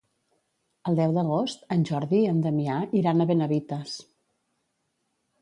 El deu d'agost en Jordi i en Damià iran a Benavites.